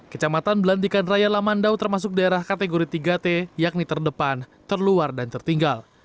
kecamatan belantikan raya lamandau termasuk daerah kategori tiga t yakni terdepan terluar dan tertinggal